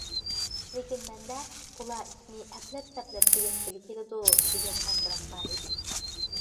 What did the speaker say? لېكىن مەندە ئۇلار ئىشنى ئەپلەپ- سەپلەپ تۈگەتكىلى كېلىدۇ، دېگەن تەسىرات بار ئىدى.